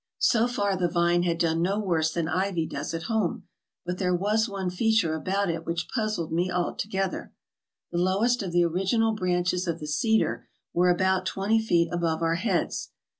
So far the vine had done no worse than ivy does at home, but there was one feature about it which puzzled me altogether. The lowest of the original branches of the cedar were about twenty feet above our heads.